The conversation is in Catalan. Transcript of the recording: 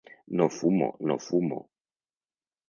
No fumo no fumo.